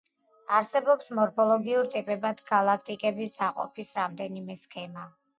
არსებობს მორფოლოგიურ ტიპებად გალაქტიკების დაყოფის რამდენიმე სქემა.